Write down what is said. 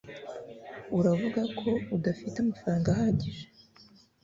Uravuga ko udafite amafaranga ahagije